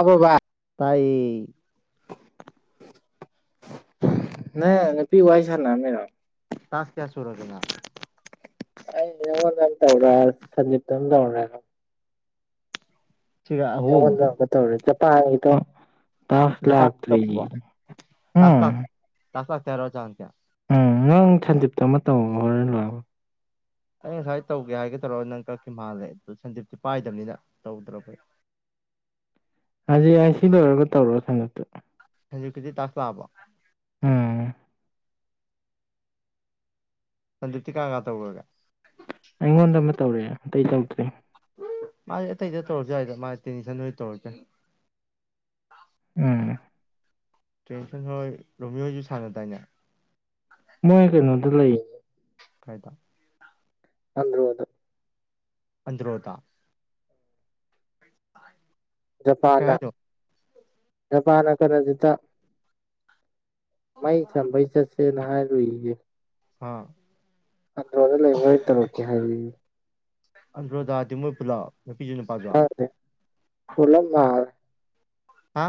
ꯑꯕꯣꯕꯥ ꯇꯥꯏꯌꯦ ꯅ ꯅꯨꯄꯤ ꯋꯥꯏ ꯁꯟꯅꯔꯝꯃꯤꯔꯣ ꯇꯥꯛꯁ ꯀꯌꯥ ꯁꯨꯔꯒꯦ ꯅꯪ ꯑꯩ ꯑꯩꯉꯣꯟꯗ ꯑꯃ ꯇꯧꯔ ꯁꯟꯖꯤꯞꯇꯝ ꯇꯧꯔꯦ ꯁꯤꯒ ꯑꯍꯨꯝ ꯅꯉꯣꯟꯗ ꯆꯄꯥ ꯍꯥꯏꯇꯣ ꯇꯥꯛꯁ ꯖꯄꯥꯟ ꯂꯥꯛꯇ꯭ꯔꯤ ꯇꯧꯕ ꯎꯝ ꯇꯥꯛꯁ ꯂꯥꯛ ꯇꯥꯛꯁ ꯂꯥꯛꯇꯦ ꯆꯦꯌꯥ ꯎꯝ ꯅꯪ ꯁꯟꯗꯤꯞꯇ ꯑꯃ ꯇꯧ ꯍꯣꯔꯦꯟ ꯂꯣꯏꯔꯒ ꯑꯩ ꯉꯁꯥꯏ ꯇꯧꯒꯦ ꯍꯥꯏꯒꯦ ꯇꯧꯔꯣ ꯅꯪ ꯀꯛꯈꯤ ꯃꯥꯜꯂꯦ ꯑꯗꯨ ꯁꯟꯗꯤꯞꯇꯤ ꯄꯥꯏꯗꯕꯅꯤꯅ ꯇꯧꯗ꯭ꯔ ꯑꯩꯣꯏ ꯍꯧꯖꯤꯛ ꯑꯩ ꯁꯤ ꯂꯣꯏꯔꯒ ꯇꯧꯔꯣ ꯁꯟꯗꯛꯇ ꯍ ꯧꯖꯤꯛꯀꯤꯗꯤ ꯇꯥꯥꯛꯌ ꯂꯥꯛꯑꯥꯕꯣ ꯎꯝ ꯁꯟꯗꯞꯇꯤ ꯀꯥꯅꯥ ꯀꯥꯅꯥ ꯇꯧꯒꯔꯒꯦ ꯑꯩꯉꯣꯟꯗ ꯑꯃ ꯇꯧꯔꯛꯑꯦ ꯑꯇꯩ ꯇꯧꯗ꯭ꯔꯦ ꯃꯥꯁ ꯑꯇꯩꯗ ꯇꯧꯔꯁꯨ ꯍꯥꯏꯗ ꯃꯥꯗꯤ ꯇꯦꯟꯁꯟ ꯍꯣꯏ ꯇꯧꯔꯁꯨ ꯌꯥꯏ ꯎꯝ ꯇ꯭ꯔꯦꯟꯁꯟ ꯍꯣꯏ ꯔꯣꯃꯤꯌꯣꯁꯨ ꯁꯥꯟꯅꯗꯥꯏꯅꯦ ꯑꯗꯨ ꯂꯩ ꯀꯥꯏꯗ ꯑꯟꯗ꯭ꯔꯣꯗ ꯑꯟꯗ꯭ꯔꯣꯗ ꯀꯩ ꯖꯄꯥꯟꯅ ꯍꯥꯏꯅꯣ ꯖꯥꯄꯥꯟꯅ ꯀꯥꯔꯅꯖꯤꯠꯗ ꯃꯩ ꯁꯝꯕꯩ ꯆꯠꯁꯦꯅ ꯍꯥꯏꯔꯨꯏꯌꯦ ꯍꯥꯥ ꯑꯟꯗ꯭ꯔꯣꯗ ꯂꯩ ꯍꯣꯔꯦꯟ ꯇꯧꯔꯛꯀꯦ ꯍꯥꯏꯔꯛꯑꯦꯌꯦ ꯑꯟꯗ꯭ꯔꯣꯗꯥꯥꯗꯤ ꯃꯣꯏ ꯄꯨꯂꯞ ꯅꯨꯄꯤꯁꯨ ꯅꯨꯄꯥꯁꯨ ꯇꯥꯗꯔꯦ ꯄꯨꯂꯞ ꯃꯥꯜꯂꯦ ꯍꯥ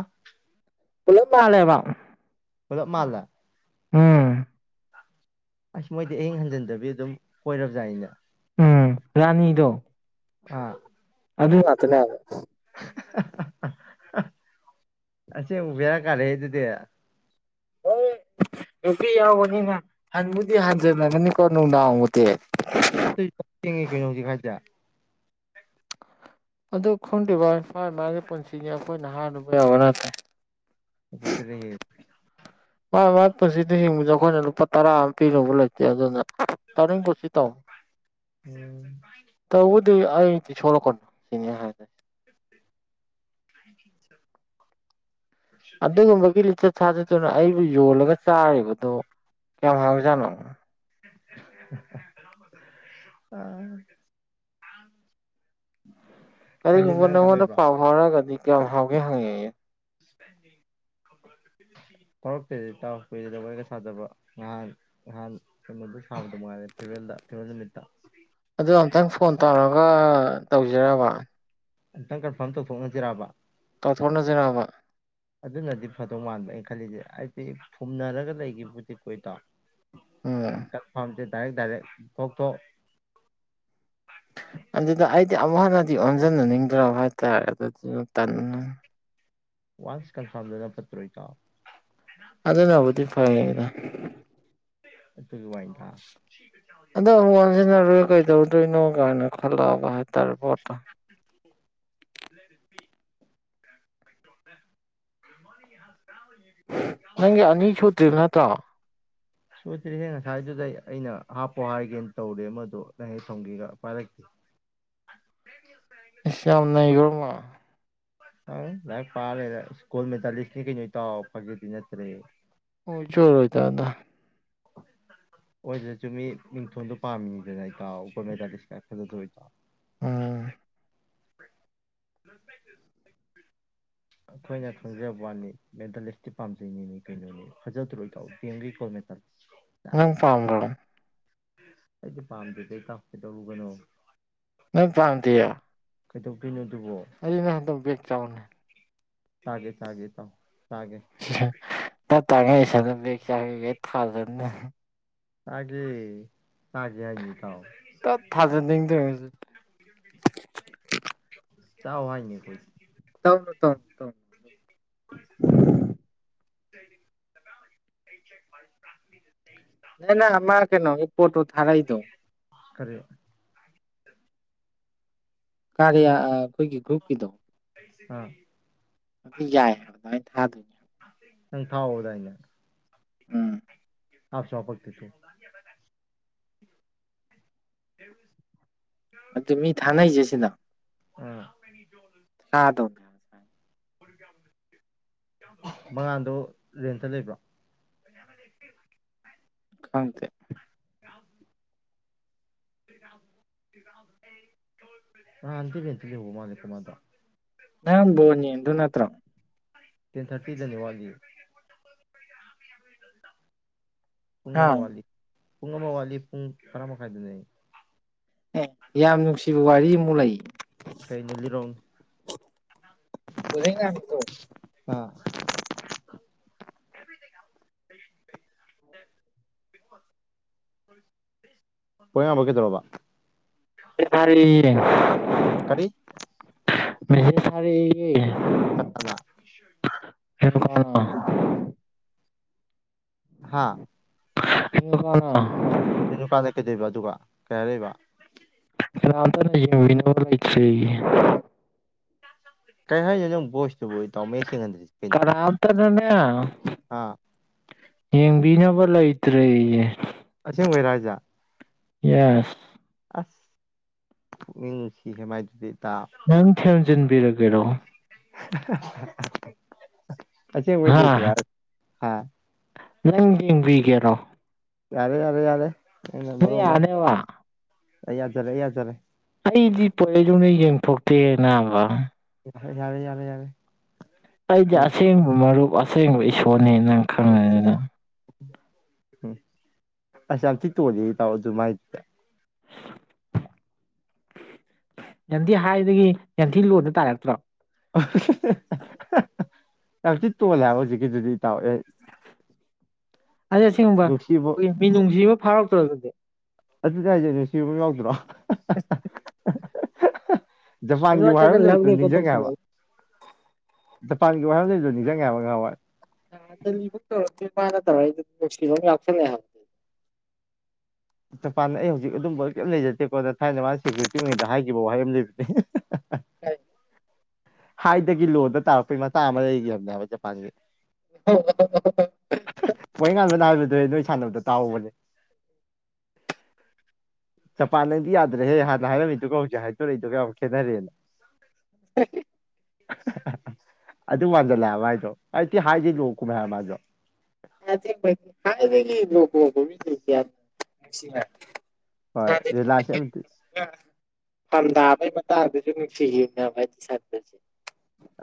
ꯄꯨꯂꯞ ꯃꯥꯜꯂꯦ ꯍꯥꯢꯕ ꯄꯨꯂꯞ ꯃꯥꯜꯂꯦ ꯎꯝ ꯑꯁ ꯃꯣꯏꯗꯤ ꯑꯍꯤꯡ ꯍꯟꯖꯟꯗꯕꯤ ꯑꯗꯨꯝ ꯀꯣꯏꯔꯕ ꯖꯥꯠꯅꯤꯅꯦ ꯎꯝ ꯔꯥꯅꯤꯗꯣ ꯑꯥ ꯑꯗꯨ ꯉꯥꯛꯇꯥꯅꯦ ꯍꯥꯏꯕ ꯑꯁꯦꯡꯕ ꯕꯦꯔꯥ ꯀꯥꯔꯦꯍꯦ ꯑꯗꯨꯗꯤ ꯅꯨꯄꯤ ꯌꯥꯎꯕꯅꯤꯅ ꯍꯟꯕꯨꯗꯤ ꯍꯟꯖꯟꯂꯝꯒꯅꯤꯀꯣ ꯅꯨꯡꯗꯥꯡꯕꯨꯨꯗꯤ ꯑꯗꯨ ꯊꯦꯡꯉꯦ ꯀꯩꯅꯣ ꯍꯧꯖꯤꯛ ꯍꯥꯏꯖꯦ ꯑꯗꯨ ꯈꯪꯗꯦ ꯕꯥꯏ ꯃꯥꯏ ꯃꯥꯒꯤ ꯄꯨꯟꯁꯤꯅꯤ ꯑꯩꯈꯣꯏꯅ ꯍꯔꯨꯕ ꯌꯥꯕ ꯅꯠꯇ꯭ꯔꯦ ꯐꯖꯗ꯭ꯔꯦꯍꯦ ꯃꯥꯥꯏ ꯃꯥꯏ ꯄꯨꯟꯁꯤꯗ ꯍꯤꯡꯕꯗ ꯑꯩꯈꯣꯏꯅ ꯂꯨꯄꯥ ꯇꯔꯥ ꯑꯃ ꯄꯤꯔꯨꯕ ꯂꯩꯇꯦ ꯑꯗꯨꯅ ꯇꯥꯅꯤꯡ ꯀꯨꯁꯤ ꯇꯧ ꯎꯝ ꯇꯧꯕꯨꯗꯤ ꯑꯩꯗꯤ ꯁꯣꯛꯂꯛꯀꯅꯨ [unintelligible] [unintelligible] ꯑꯗꯨꯒꯨꯝꯕꯒꯤ ꯂꯤꯆꯠ ꯁꯥꯖꯠꯇꯨꯅ ꯑꯩꯕꯨ ꯌꯣꯜꯂꯒ ꯆꯥꯔꯤꯕꯗꯣ ꯀꯩꯌꯥꯝ ꯐꯪꯕ ꯖꯠꯅꯣ ꯑꯥ ꯀꯔꯤꯒꯨꯝꯕ ꯅꯉꯣꯟꯗ ꯄꯥꯎ ꯐꯥꯎꯔꯛꯑꯒꯗꯤ ꯀꯌꯥꯝ ꯍꯥꯎꯒꯦ ꯍꯪꯉꯛꯑꯦꯖꯨ꯫ ꯐꯥꯎꯔꯛꯇꯦꯗ ꯏꯇꯥꯎ ꯀꯨꯏꯔꯦꯗ ꯋꯥꯔꯤꯒ ꯁꯥꯗꯕ ꯉꯍꯥꯟ ꯉꯍꯥꯟ ꯀꯩꯅꯣꯗꯨ ꯁꯥꯕꯗ ꯃꯉꯥꯏꯔꯦ ꯐꯤꯔꯋꯦꯜꯗ ꯐꯤꯔꯋꯦꯜ ꯅꯨꯃꯤꯠꯇ꯫ ꯑꯗꯨ ꯑꯝꯇꯪ ꯐꯣꯟ ꯇꯧ [unintelligible] ꯇꯧꯖꯤꯔꯕ꯫ ꯑꯝꯇꯪ ꯀꯟꯐꯥꯔꯝ ꯇꯧꯊꯣꯛꯅꯖꯤꯔꯕ꯫ ꯇꯧꯊꯣꯔꯅꯖꯤꯔꯕ꯫ ꯑꯗꯨꯅꯗꯤ ꯐꯗꯧ ꯃꯥꯟꯕ ꯑꯩꯅ ꯈꯜꯂꯤꯖꯦ ꯍꯥꯏꯗꯤ ꯐꯨꯝꯅꯔꯒ ꯂꯩꯒꯤꯕꯕꯨꯗꯤ ꯀꯣ ꯏꯇꯥꯎ꯫ ꯎꯝ ꯀꯟꯐꯥꯝꯗ ꯗꯥꯏꯔꯦꯛ ꯗꯥꯏꯔꯦꯛ ꯊꯣꯛ ꯊꯣꯛ ꯑꯗꯨꯗ ꯑꯩꯗꯤ ꯑꯃꯨꯛ ꯍꯟꯅꯗꯤ ꯑꯣꯟꯖꯟꯅꯅꯤꯡꯗ꯭ꯔꯕ ꯍꯥꯏꯇꯥꯔꯦ ꯑꯗꯨꯗꯨꯅ ꯇꯟ ꯋꯥꯟꯁ ꯀꯟꯐꯥꯝꯗꯨꯅ ꯄꯠꯇ꯭ꯔꯣ ꯏꯇꯥꯎ꯫ ꯑꯗꯨꯅꯕꯨꯗꯤ ꯐꯩ [unintelligible] ꯑꯗꯣ ꯑꯃꯨꯛ ꯑꯣꯟꯁꯤꯟꯅꯔꯣꯏ [unintelligible] [unintelligible] ꯀꯥꯏꯅ ꯈꯜꯂꯑꯕ ꯍꯥꯏ ꯇꯥꯔꯦ [unintelligible] [unintelligible] [inaudible] ꯅꯪꯒꯤ ꯑꯅꯤꯁꯨꯗ꯭ꯔꯤꯝ ꯅꯠꯇ꯭ꯔꯣ꯫ ꯁꯨꯗ꯭ꯔꯤꯍꯦ ꯉꯁꯥꯏꯗꯨꯗꯩ ꯑꯩꯅ ꯍꯥꯞꯄꯣ ꯍꯥꯏꯒꯦꯅ ꯇꯧꯔꯦ ꯑꯃꯗꯣ ꯅꯪ ꯍꯦꯛ ꯊꯝꯒꯤꯒ ꯄꯥꯏꯔꯛꯇꯦ꯫ ꯏꯁ ꯌꯥꯝ ꯅꯩꯒ꯭ꯔꯕ ꯃꯥ꯫ ꯑꯥꯏ ꯂꯥꯏꯔꯤꯛ ꯄꯥ ꯂꯩꯔꯦ ꯏꯁ ꯒꯣꯜ ꯃꯦꯗꯥꯂꯤꯁꯅꯤ ꯀꯩꯅꯣ ꯏꯇꯥꯎ ꯐꯒꯤꯗꯤ ꯅꯠꯇ꯭ꯔꯦ꯫ ꯑꯣꯏꯖꯨ ꯑꯣꯏꯔꯣꯏꯗꯕꯗ꯫ ꯑꯣꯏꯗ꯭ꯔꯖꯨ ꯃꯤ ꯃꯤꯡꯊꯣꯟꯗꯣ ꯄꯥꯝꯃꯤꯅꯤꯗꯅ ꯏꯇꯥꯎ ꯒꯣꯜ ꯃꯦꯗꯥꯂꯤꯁ ꯀꯥꯏ ꯎꯝ [unintelligible] [unintelligible] ꯑꯩꯈꯣꯏꯅ ꯈꯪꯖꯕ ꯋꯥꯅꯤ ꯃꯦꯗꯜꯂꯤꯁꯇꯤ ꯄꯥꯝꯖꯩꯅꯤ ꯃꯤ ꯀꯩꯅꯣꯅꯦ ꯐꯖꯗ꯭ꯔꯣ ꯏꯇꯥꯎ ꯗꯤ ꯑꯦꯝ ꯒꯤ ꯒꯣꯜ ꯃꯦꯗꯥ ꯅꯪ ꯄꯥꯝꯕꯔꯥ꯫ ꯑꯩꯗꯤ ꯄꯥꯝꯗꯦꯗ ꯏꯇꯥꯎ ꯀꯩꯗꯧꯔꯨꯕꯅꯣ꯫ ꯅꯪ ꯄꯥꯝꯗꯤꯌꯦ꯫ ꯀꯩꯗꯧꯗꯩꯅꯣ ꯑ ꯑꯗꯨꯗꯤ ꯅꯪ ꯍꯟꯗꯛ ꯕꯦꯛ ꯆꯥꯎꯅꯦ꯫ ꯆꯥꯒꯦ ꯆꯥꯒꯦ ꯏꯇꯥꯎ꯫ ꯆꯥꯒꯦ [unintelligible] ꯇꯞ ꯇꯥꯡꯒꯩ ꯏꯁꯜꯂ ꯕꯦꯛ ꯆꯥꯒꯦꯒꯩ ꯊꯥꯖꯟꯅꯦ꯫ ꯆꯥꯒꯦ꯫ ꯆꯥꯒꯦ ꯍꯥꯏꯅꯤ ꯏꯇꯥꯎ ꯇꯠ ꯊꯥꯖꯟꯅꯤꯡꯗ꯭ꯔꯥ [unintelligible] ꯆꯥꯎ ꯍꯥꯏꯅꯤ ꯑꯈꯣꯢꯗꯤ꯫ ꯇꯧꯔꯣ ꯇꯧꯔꯣ ꯇꯧꯔꯣ [inaudible] ꯅꯪꯅ ꯑꯃꯥ ꯀꯩꯅꯣꯒꯤ ꯄꯣꯠꯇꯣ ꯊꯔꯥꯏꯗꯣ ꯀꯔꯤ ꯀꯥꯔꯤ ꯑꯩꯈꯣꯏꯒꯤ ꯒ꯭ꯔꯨꯞꯀꯤꯗꯣ ꯑꯥ ꯑꯗꯨ ꯌꯥꯏ ꯍꯥꯏꯕ ꯑꯗꯨꯥꯏ ꯊꯥꯗꯣꯏꯅꯦ ꯅꯪ ꯊꯥꯎꯕꯗꯥꯏꯅ ꯎꯝ ꯑ ꯆꯣꯄꯛꯗ ꯇ ꯑꯦ ꯑ ꯃꯤ ꯊꯥꯥꯟꯥꯏꯖꯦꯁ ꯑꯁꯤꯅ ꯑ [inaudible] ꯃꯉꯥꯥꯟꯗꯣ ꯔꯦꯟꯇ ꯂꯩꯕ꯭ꯔꯣ ꯈꯪꯇꯦ [inaudible] ꯅꯍꯥꯟꯗꯤ ꯔꯦꯟꯇ ꯂꯩꯍꯧꯕ ꯃꯥꯜꯂꯤꯗ ꯑꯃꯗꯣ ꯅꯪ ꯕꯣꯜ ꯌꯦꯡꯗꯣꯏ ꯅꯠꯇ꯭ꯔꯣ ꯇꯦꯟ ꯊ꯭ꯔꯇꯤꯗꯅꯤ ꯋꯥꯠꯂꯤꯌꯦ ꯄꯨꯡ ꯍꯥ ꯑꯃ ꯋꯥꯠꯂꯤ ꯄꯨꯡ ꯑꯃ ꯋꯥꯠꯂꯤ ꯄꯨꯡ ꯇꯔꯥ ꯃꯈꯥꯏꯗꯅꯦ ꯑꯦ ꯌꯥꯝ ꯅꯨꯡꯁꯤꯕ ꯋꯥꯔꯤ ꯑꯃꯨꯛ ꯂꯩ ꯀꯩꯅꯣ ꯂꯤꯔꯣꯡ ꯄꯨꯂꯒꯦ ꯑꯁꯨ ꯑ ꯂꯣꯌꯥꯉꯥꯟꯕ ꯀꯩꯗꯧꯔꯕ ꯊꯔꯤ ꯀꯔꯤ ꯃꯦꯁꯦꯁ ꯊꯥꯔꯛꯑꯦꯌꯦ ꯀꯅꯥꯗ [unintelligible] ꯍꯥꯥ [unintelligible] ꯀ ꯅꯨꯨꯀꯥꯟꯗ ꯀꯩꯗꯣꯏꯕ ꯑꯗꯨꯒ ꯀꯩ ꯍꯥꯏꯔꯛꯏꯕ [unintelligible] ꯀꯩ ꯍꯥꯏꯅꯣ ꯅꯪ ꯚꯣꯏꯇꯣ ꯁꯕ ꯏ ꯇꯥꯎ ꯃꯌꯦꯛ ꯁꯦꯡꯅꯟꯗ꯭ꯔꯤꯁꯤ ꯀꯩꯅꯣ ꯀꯅꯥꯝꯇꯅꯅꯦ ꯑꯥ ꯌꯦꯡꯕꯤꯅꯕ ꯂꯩꯇ꯭ꯔꯦꯌꯦ ꯑꯁꯤꯁꯦꯡ ꯑꯣꯏꯣꯏꯔꯖꯥ ꯌꯥꯁ ꯎꯁꯤ ꯍꯦꯃꯥꯏꯗꯨꯗꯤ ꯅꯪ ꯊꯦꯝꯖꯤꯟꯕꯤꯔꯒꯦꯔꯣ [inaudible] ꯑꯁꯦ ꯍꯥ ꯑꯣꯏꯣꯏꯗꯗ ꯍꯥ ꯅꯪ ꯌꯦꯡꯕꯤꯒꯦꯔꯣ ꯌꯥꯔꯦ ꯌꯥꯔꯦ ꯌꯥꯔꯦ ꯅꯪ ꯌꯔꯅꯤꯕ ꯌꯥꯗꯖꯔꯦ ꯌꯥꯖꯔꯦ ꯑꯩꯗꯤ ꯄꯗꯧꯅ ꯌꯦꯡꯊꯣꯛꯇꯦ ꯅꯥꯕ ꯌꯥꯔꯦ ꯌꯥꯔꯦ ꯌꯥꯔꯦ ꯌꯥꯔꯦ ꯑꯩꯒꯤ ꯎꯝ ꯑꯁꯦꯡꯕ ꯃꯔꯨꯞ ꯑꯁꯦꯡꯕ ꯄꯣꯠꯅꯦ ꯅꯪ ꯈꯪꯉꯦ ꯑꯗꯨꯅ ꯎꯝ ꯑꯁ ꯌꯥꯝꯊꯤ ꯇꯣꯜꯂꯦꯍꯦ ꯏꯇꯥꯎ ꯃꯥꯏꯗꯨꯗꯤ ꯌꯥꯟꯊꯤ ꯍꯥꯏꯗꯒꯤ ꯌꯦꯡꯊꯤ ꯂꯣꯟꯗ ꯇꯥꯔꯔꯛꯇ꯭ꯔꯣ ꯌꯥꯝꯇꯤ ꯇꯣꯜꯂꯦ ꯍꯥꯏꯕ ꯍꯧꯖꯤꯛꯀꯤꯗꯨꯗꯤ ꯏꯇꯥꯎ ꯑꯦ ꯑꯗꯩ ꯑꯁꯤꯒꯨꯝꯕ ꯅꯨꯡꯁꯤꯕ ꯑꯩꯈꯣꯏꯒꯤ ꯃꯤꯅꯨꯡꯁꯤ ꯑꯃ ꯐꯥꯎꯔꯛꯇ꯭ꯔ ꯑꯗꯨꯗꯤ ꯑꯗꯨꯗꯤ ꯍꯥꯏꯁꯦꯅꯦ ꯁꯤꯕ ꯌꯥꯎꯗ꯭ꯔꯣ [inaudible] ꯖꯄꯥꯟꯒꯤ ꯋꯥꯔ ꯑꯩꯉꯣꯟꯗꯒ ꯑꯃ ꯂꯞ ꯂꯩꯕꯗꯨ ꯔꯦꯞꯀ ꯅꯤꯡꯁꯤꯡꯉꯦꯕ ꯇꯧꯁꯤꯜꯂꯛꯏ ꯖꯄꯥꯟꯒꯤ ꯋꯥꯐꯝꯁꯤꯁꯨ ꯅꯤꯡꯁꯤꯡꯉꯦ ꯍꯥꯏꯕ ꯉꯍꯥꯎꯋꯥꯏ ꯇꯧꯔꯅ ꯇꯧꯔ ꯀꯂꯣ ꯂꯥꯛꯆ ꯖꯄꯥꯟꯗ ꯑꯩ ꯍꯧꯖꯤꯛ ꯑꯗꯨꯝꯕ ꯀꯩꯝ ꯂꯩꯖꯗꯦꯀꯣꯗ ꯊꯥꯏꯅ ꯃꯥꯅ ꯁꯦꯀ꯭ꯌꯨꯔꯤꯇꯤꯉꯩꯗ ꯍꯥꯏꯈꯤꯕ ꯋꯥꯍꯩ ꯑꯃ ꯂꯩꯕꯗꯤ ꯀ ꯍꯥꯏꯗꯒꯤ ꯂꯣꯟꯗ ꯇꯥꯔꯛꯄꯩ ꯃꯆꯥ ꯑꯃ ꯂꯩꯈꯤꯕꯅꯦꯕ ꯖꯄꯥꯟꯁ ꯍꯥꯏꯕ ꯄꯣꯔꯩꯉꯥꯟꯕꯅ ꯍꯥꯏꯕꯗꯨꯅꯦ ꯈꯟꯅꯕꯗ ꯇꯥꯎꯕꯅꯦ ꯖꯄꯥꯟ ꯅꯪꯗꯤ ꯌꯥꯗ꯭ꯔꯦꯍꯦ ꯍꯥꯟꯅ ꯍꯥꯏꯔꯝꯃꯤꯗꯨꯒ ꯍꯧꯖꯤꯛ ꯍꯥꯏꯗꯣꯔꯛꯏꯗꯨꯒ ꯌꯥꯝ ꯈꯦꯠꯅꯔꯦꯅ [inaudible] ꯑꯗꯨ ꯋꯥꯟꯖꯜꯂꯥꯛꯑꯦ ꯃꯥꯏꯗꯣ ꯍꯥꯏꯗꯤ ꯊꯤ ꯍꯥꯏꯗꯒꯤ ꯂꯣ ꯀꯨꯝꯃꯦ ꯍꯥꯏꯕ ꯃꯥꯗꯣ [unintelligible] ꯍꯥꯏꯕꯒ ꯂꯁꯤ ꯍꯣꯏ ꯂꯤꯂꯥꯁꯦ ꯑꯣꯇꯁ ꯐꯝꯗꯥꯥꯕꯒꯤ ꯃꯇꯥꯡꯗꯨꯁꯨ ꯅꯨꯡꯁꯤ ꯌꯦꯡꯅꯕ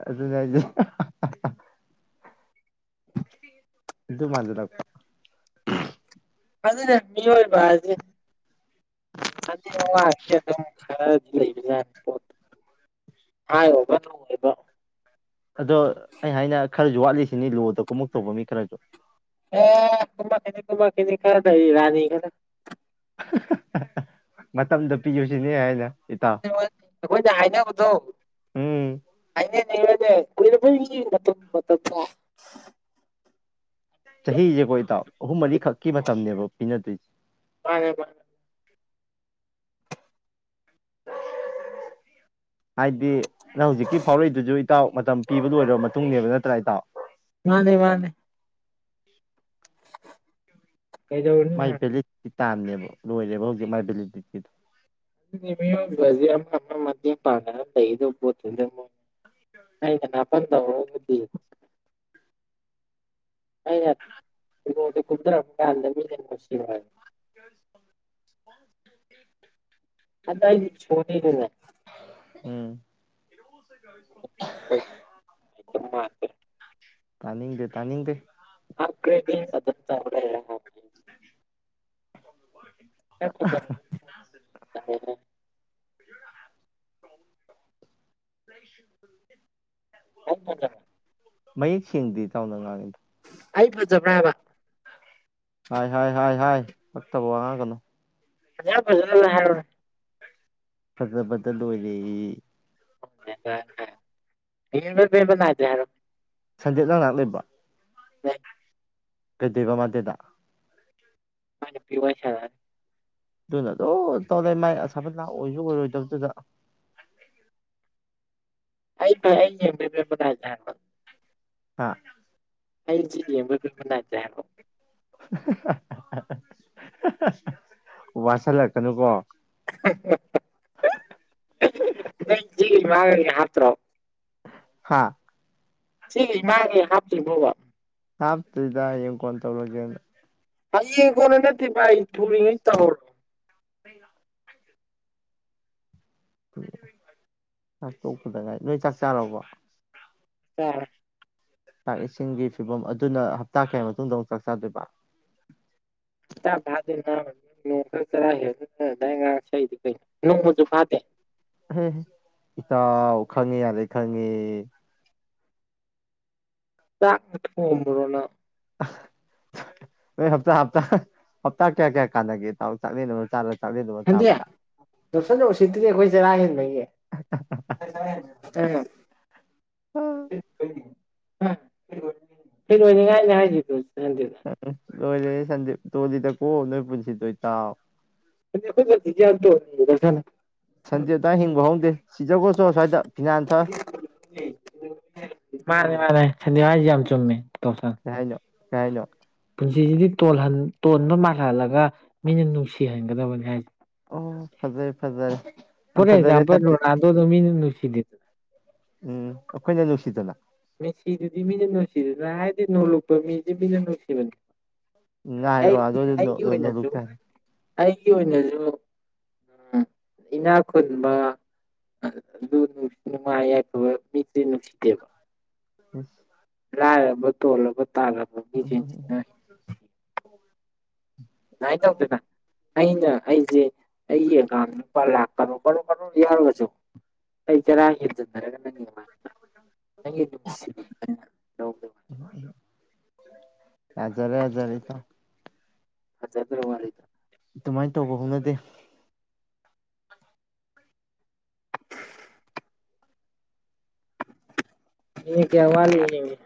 ꯑꯗꯨꯅꯦ ꯍꯥꯏꯁꯦ [inaudible] ꯑꯗꯨ ꯃꯖꯟ ꯂ ꯐꯖꯅ ꯃꯤꯑꯣꯏꯕ ꯍꯥꯏꯁꯦ ꯑꯗꯤꯁꯦ ꯑꯗꯨꯝ ꯈꯔꯗꯤ ꯂꯩꯕ ꯌꯥꯅꯤ ꯄꯣꯠꯇꯣ ꯍꯥꯏꯌꯣꯕ ꯅꯉꯣꯏꯕ ꯑꯗꯣ ꯑꯩ ꯍꯥꯏꯅ ꯈꯔꯁꯨ ꯋꯥꯠꯂꯤꯁꯤꯅꯤ ꯂꯣꯗ ꯀꯃꯛ ꯇꯧꯕ ꯃꯤ ꯈꯔꯁꯨ ꯍ ꯀꯨꯝꯃꯛꯈꯤꯅꯤ ꯀꯨꯝꯃꯛꯈꯤꯅꯤ ꯈꯔꯗ ꯔꯥꯅꯤ ꯈꯔ ꯃꯇꯝꯗ ꯄꯤꯁꯤꯅꯦ ꯍꯥꯏꯅ ꯃꯥꯅꯤ ꯃꯥꯅꯤ ꯑꯩꯈꯣꯏꯅ ꯎꯝ ꯍꯥꯏꯅꯕꯗꯣ ꯍꯥꯏ ꯅꯦ ꯎ [unintelligible] ꯆꯍꯤꯁꯦ ꯀꯣ ꯏꯇꯥꯎ ꯑꯍꯨꯝ ꯃꯔꯤꯈꯛꯀꯤ ꯃꯇꯝꯅꯤꯅꯦꯕ ꯄꯤꯅꯗꯦ ꯃꯥꯅꯦ ꯃꯥꯅꯦ ꯍꯥꯏꯗꯤ ꯅꯪ ꯍꯧꯖꯤꯛꯀꯤ ꯐꯥꯎꯔꯛꯏꯗꯨꯁꯨ ꯏꯇꯥꯎ ꯃꯇꯝ ꯄꯤꯕ ꯂꯣꯏꯔ ꯃꯇꯨꯡꯅꯦꯕ ꯅꯠꯇ꯭ꯔꯥ ꯏꯇꯥꯎ꯫ ꯃꯥꯅꯦ - ꯃꯥꯅꯦ꯫ ꯀꯩꯗꯧꯔꯨꯅꯤ ꯃꯥꯏ ꯍꯥ ꯚꯦꯂꯤꯗꯤꯇꯤ ꯇꯥꯝꯅꯦꯕ ꯂꯣꯏꯔꯦꯕ ꯍꯧꯖꯤꯛ ꯃꯥꯥꯏ ꯚꯦꯂꯤꯗꯤꯇꯤꯗꯣ꯫ ꯑꯗꯨꯗꯤ ꯃꯤꯑꯣꯏꯕꯁꯦ [unintelligible] ꯑꯥꯗ ꯑꯩꯗꯤ ꯏꯁꫭꫪꯅꯤ ꯀꯩꯅꫭ [unintelligible] ꯇꯥꯅꯤꯡꯗꯦ- ꯇꯥꯅꯤꯡꯗꯦ꯫ [unintelligible] [unintelligible] [unintelligible] [inaudible] [unintelligible] ꯃꯌꯦꯛ ꯁꯦꯡꯗꯦ ꯆꯥꯎꯅ ꯉꯥꯡꯉꯤ ꯫ ꯑꯩ ꯐꯖꯕꯔꯥ ꯍꯥꯌꯕ꯫ ꯍꯥꯏ- ꯍꯥꯏ- ꯍꯥꯏ - ꯍꯥꯏ ꯄꯛꯇꯕ ꯋꯥ ꯉꯥꯡꯒꯅꯨ꯫ [unintelligible] ꯐꯖꯕꯗ ꯂꯣꯏꯔꯦ! [unintelligible] ꯌꯦꯡꯕꯩ ꯄꯦꯟꯕꯥ ꯅꯥꯏꯗꯔ꯭ꯦ ꯍꯥꯏꯔꯛ ꯑꯣ꯫ ꯁꯟꯖꯤꯠ ꯅꯪ ꯅꯥꯛ ꯂꯩꯕꯔ꯭? [unintelligible] ꯀꯩꯗꯩꯕ ꯃꯥꯗꯤ ꯑꯗꯥ꯫ ꯃꯥꯏ ꯅꯨꯄꯤ ꯋꯥꯔꯤ ꯁꯅꯔꯤ ꯑꯗꯨꯅ ꯑꯗꯨꯝ ꯇꯧꯔ ꯃꯥꯏ ꯑꯁꯥꯂꯇꯥ ꯑꯣꯏꯁꯨ ꯑꯣꯏꯔꯣꯏꯗꯕꯗꯨꯗ꯫ [unintelligible] ꯍꯥ [unintelligible] ꯍꯥ ꯍꯥꯥ ꯍꯥ ꯋꯥꯁꯤꯜꯂꯛꯀꯅꯨꯀꯣ [unintelligible] [unintelligible] [unintelligible] ꯍꯥꯥ [unintelligible] ꯍꯥꯞꯇ꯭ꯔꯤꯗ ꯍꯌꯦꯡ ꯀꯣꯟ ꯇꯧꯔꯒꯦꯅ꯫ ꯍꯌꯦꯡ ꯀꯣꯟꯅꯥ ꯅꯠꯇꯦ ꯚꯥꯏ ꯊꯨꯔꯤꯉꯩ ꯇꯧꯍꯧꯔꫭ [unintelligible] ꯆꯥꯛ ꯇꯣꯛꯄꯗ ꯉꯥꯏ ꯅꯣꯏ ꯆꯥꯛ ꯆꯥꯔꯕꯣ? ꯆꯥꯔꯥꯔꫭꯏ ꯆꯥꯛ ꯏꯁꯤꯡꯒꯤ ꯐꯤꯕꯝ ꯑꯗꯨꯅ ꯍꯞꯇꯥ ꯀꯌꯥꯏ ꯃꯇꯨꯡꯗ ꯑꯃꯨꯛ ꯆꯥꯛ ꯆꯥꯗꯣꯏꯕ ꯍꯞꯇꯥ ꯐꯥꯗꯦ ꯅꯥꯕ ꯅꫭꯡꯃꯇꯪ ꯆꯔꯥ ꯍꯦꯟꯕꯩ ꯅꯪ ꯑꯗꯥꯏ ꯉꯥꯡ ꯁꯛꯏꯗꫭ ꯀꯩꯅꫭ ꯅꫭꯡꯃꯖꯨ ꯐꯥꯗꯦ ꯑꯍꯦ ꯏꯇꯥꯎ ꯈꯪꯉꯦ ꯌꯥꯔꯦ ꯈꯪ ꯉꯦ ꯫ ꯆꯥꯛꯅ ꯊꫭꯝꯃꯨꯔꫭ ꯅꯪ? ꯅꯣꯏ ꯍꯞꯇꯥ - ꯍꯞꯇꯥ ꯍꯞꯇꯥ ꯀꯌꯥ- ꯀꯌꯥ ꯀꯥꯟꯅꯒꯦ ꯏꯇꯥꯎ ꯆꯥꯛꯂꯦꯟ ꯑꯃ ꯆꯥꯔ ꯆꯥꯛꯂꯦꯟ ꯑꯃ ꯁꯟꯗꯤ ꯆꯥꯕꯗ [unintelligible] ꯎꯁꯤꯠꯇ꯭ꯔꯤ ꯑꯈꫭꯏ ꯆꯔꯥ ꯍꯦꯟꯕꯒꯤ ꯑꯈꫭꯏ ꯆꯔꯥ ꯍꯦꯟꯕꯒꯤ ꯑ ꯎꯝ [unintelligible] ꯐꯅꯤ ꯉ ꯍꯥꯏꯗꯤ ꯇ ꯇꯣ ꯇꯣꯜꯗ ꯑꯣꯣ ꯅꯣꯏ ꯄꯨꯟꯁꯤ ꯇ ꯏ ꯇꯥꯎ ꯌꯥꯗꯊ ꯁꯖꯦꯗ ꯍꯤꯡ ꯍꯗꯦ ꯁꯤꯖ ꯀꯁꯨꯣ ꯁꯋꯥꯗ ꯐꯤꯅꯥ ꯑꯟꯊ ꯁꯟꯗꯤ ꯍꯥꯏꯁꯦ ꯌꯥꯝ ꯆꯨꯝꯃꯦ ꯇꯧꯁꯟ ꯉꯥꯏ ꯉꯣ ꯀꯥꯏꯅꯣ ꯄꯨꯟꯁꯤꯁꯤꯗꯤ ꯇꯣꯟꯕ ꯃꯥꯜꯍꯍꯜꯂꯒ ꯃꯤꯅ ꯅꯨꯡꯁꯤꯍꯟꯒꯗꯕꯅꯤ ꯍꯥꯏꯁꯦ ꯑꯣ ꯐꯖꯩ ꯐꯖ ꯐꯔꯦꯖꯥꯄꯜ ꯔꯥꯗꯣꯗꯃꯤ ꯅꯨꯅꯨꯡꯁꯤꯗ ꯎꯝ ꯑꯩꯈꯣꯏꯅ ꯅꯨꯡꯁꯤꯗꯅ ꯃꯤꯁꯤꯗꯨꯗꯤ ꯃꯤꯅ ꯅꯨꯡꯁꯤꯗꯅ ꯍꯥꯏꯗꯤ ꯅꯣꯂꯨꯄ ꯃꯤꯁꯦ ꯃꯤꯅ ꯅꯨꯡꯁꯤꯕꯅꯦ ꯑꯩ ꯉꯥꯏꯔꯣ ꯑꯗꯨꯗꯤ ꯑꯩꯒꯤ ꯅꯣꯡꯗꯨ ꯑꯣꯏꯅꯁꯨ ꯇꯥꯔꯦ ꯑꯩꯒꯤ ꯑꯣꯏꯅꯁꯨ ꯎ ꯏꯅꯥ ꯈꯨꯟꯕ ꯂꯨ ꯅꯨꯡ ꯅꯨꯡꯉꯥꯏ ꯌꯥꯏꯐꯕ ꯃꯤꯁꯤꯗꯤ ꯅꯨꯡꯁꯤꯗꯦꯕ ꯑꯁ ꯂꯥꯏꯕꯣꯂꯣ ꯇꯥꯕ ꯃꯤꯁꯤꯡꯁꯤꯅ ꯁꯨꯃꯥꯏꯅ ꯇꯧꯗꯅ ꯑꯩꯅ ꯑꯩꯁꯦ ꯑꯩꯏꯦ ꯀꯅ ꯄꯥ ꯂꯥꯛꯣ ꯔꯣꯕꯔ ꯌꯥꯔ ꯋꯥꯖꯣ ꯀ ꯀꯔ ꯍꯥꯏꯔꯒ ꯅꯪꯒꯤ ꯅꯪꯒꯤ ꯅꯨꯡꯁꯤꯕꯗ ꯂꯗ ꯍꯖꯔꯦ ꯍꯖꯔꯦ ꯊ ꯍ ꯆꯗ꯭ꯔ ꯃꯥꯔꯤꯗ ꯑꯗꯨꯃꯥꯏꯅ ꯇꯧꯕ ꯍꯣꯠꯅꯗꯦ ꯑ ꯏ ꯀꯋꯥꯂꯤꯅꯤꯡꯦ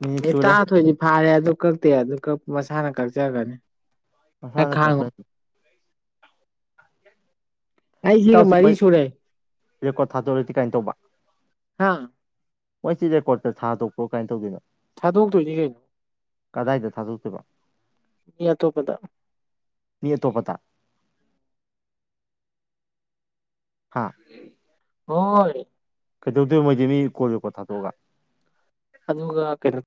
ꯃꯤꯅꯤꯠ ꯑꯦ ꯇ ꯁꯨꯔꯦ ꯊꯣꯏꯅꯤ ꯐꯔꯦ ꯑꯗꯨ ꯀꯛꯇꯦ ꯑꯗꯨ ꯀ ꯃꯁꯥꯅ ꯀꯛꯆꯒꯅꯤ ꯈꯔ ꯃꯁꯥꯂ ꯀꯛꯄ ꯈꯥꯡꯉꯨ ꯑ ꯌꯦ ꯏꯇꯥꯎꯁꯤ ꯃꯔꯤ ꯃꯣꯏ ꯁꯨꯨꯔꯦ ꯔꯦꯀꯣꯔꯠ ꯊꯥꯗꯣꯔꯗꯤ ꯀꯥꯏꯅ ꯇꯧꯕ ꯍꯥꯥ ꯃꯣꯏꯁꯤ ꯔꯦꯀꯣꯔꯠꯇ ꯊꯥꯗꯣꯛ꯭ꯔꯣ ꯀꯥꯏꯅ ꯇꯧꯗꯣꯏꯅꯣ ꯊꯥꯗꯣꯛꯛꯇꯣꯏꯅꯤ ꯀꯩꯅꯣ ꯀꯗꯥꯏꯗ ꯊꯥꯗꯣꯛꯇꯕ ꯃꯤꯇꯣꯄꯗ ꯅ ꯇꯣ ꯄꯇꯥ ꯍꯥꯥ ꯍꯣꯏ ꯀꯩꯗꯧꯗꯣꯏ ꯃꯣꯏꯗꯤ ꯃꯤ ꯀꯣꯜ ꯔꯦꯀꯣꯔꯠ ꯊꯥꯗꯣꯛꯑꯒ ꯑꯗꯨꯗꯒ ꯀꯩꯗꯧ